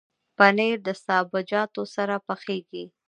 پنېر د سابهجاتو سره پخېږي.